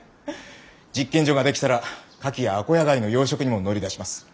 実験所が出来たら牡蠣やアコヤガイの養殖にも乗り出します。